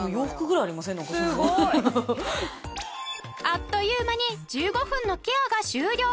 あっという間に１５分のケアが終了。